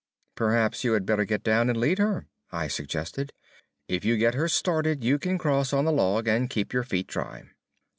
"Perhaps you had better get down and lead her," I suggested. "If you get her started, you can cross on the log and keep your feet dry."